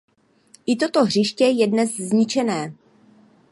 I toto hřiště je dnes zničené.